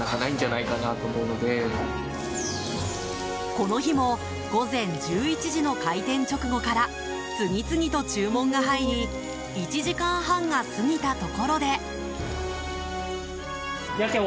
この日も午前１１時の開店直後から次々と注文が入り１時間半が過ぎたところで。